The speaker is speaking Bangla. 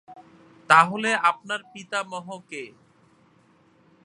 তাহলে আপনার পিতামহ কে?